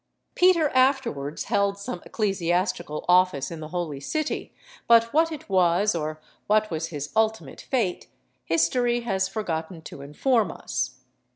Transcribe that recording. Peter afterwards held some ecclesiastical office in the holy city, but what it was, or what was his ultimate fate, history has forgotten to inform us.